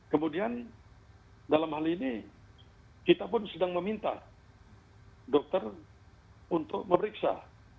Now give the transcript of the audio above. kemudian dalam hal ini kita pun sedang meminta dokter untuk memeriksa